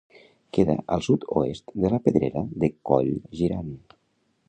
Queda al sud-oest de la Pedrera de Coll Girant.